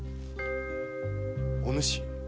お主？